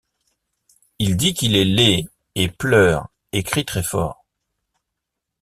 Il dit qu’il est laid et pleure et crie très fort.